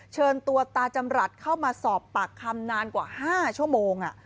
เชิญตัวตาจำรัฐเข้ามาสอบปากคำนานกว่า๕ชั่วโมง